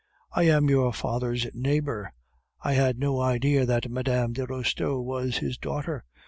I am your father's neighbor; I had no idea that Mme. de Restaud was his daughter.